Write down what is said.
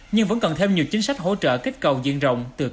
nhưng vẫn cần thêm nhiều chính sách hỗ trợ kết cầu diện rộng từ cấp cao hơn